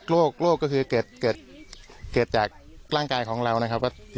โรคโรคก็คือเกิดเกิดเกิดจากร่างกายของเรานะครับว่า